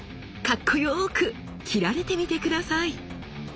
かっこよく斬られてみて下さい。